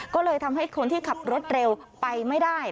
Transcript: ก็เลยทำให้คนที่ขับรถเร็วไปไม่ได้